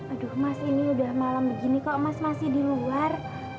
aduh mas ini udah malam begini kok mas masih di luar